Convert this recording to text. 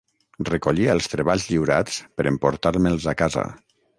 Recollia els treballs lliurats per emportar-me'ls a casa.